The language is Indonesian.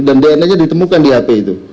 dan dna nya ditemukan di hp itu